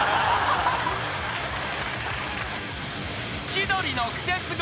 ［『千鳥のクセスゴ！』